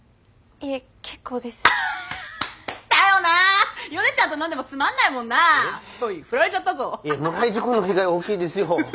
いえもらい事故の被害大きいですよ。